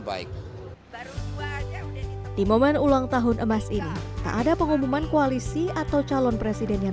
baik baru dua jam di momen ulang tahun emas ini tak ada pengumuman koalisi atau calon presiden yang